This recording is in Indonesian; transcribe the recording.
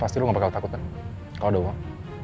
pasti lo gak bakal takut kan kalo ada uang